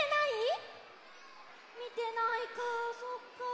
みてないかそっか。